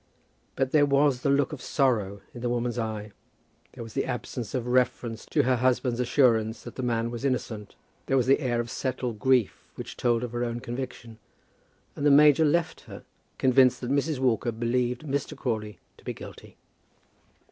But there was the look of sorrow in the woman's eye, there was the absence of reference to her husband's assurance that the man was innocent, there was the air of settled grief which told of her own conviction; and the major left her, convinced that Mrs. Walker believed Mr. Crawley to be guilty.